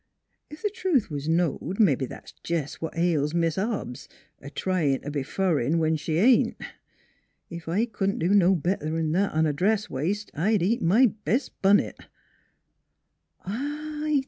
... Ef th' truth was knowed, mebbe that's jest what ails Mis' Hobbs : a tryin' t' be fur'n when she ain't. Ef I couldn't do no better 'n that on a dress waist, I'd eat my best bunnit!